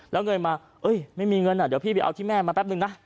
แล้วเงินมาไม่มีเงินเดี๋ยวพี่ไปเอาที่แม่มาแป๊บนึงนะ